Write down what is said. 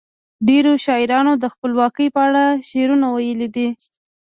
ډیرو شاعرانو د خپلواکۍ په اړه شعرونه ویلي دي.